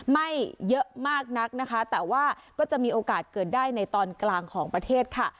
ไม่เยอะมากนักนะคะแต่ว่าก็จะมีโอกาสเกิดได้ในตอนกลางของประเทศค่ะ